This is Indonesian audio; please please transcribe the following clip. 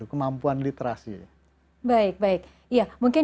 kemampuan literasi baik baik ya mungkin